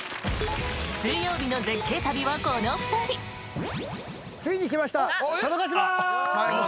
水曜日の絶景旅はこの２人ついに来ました！